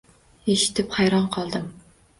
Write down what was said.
Eshitib hayron qoldim